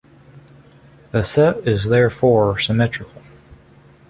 The set is therefore symmetrical.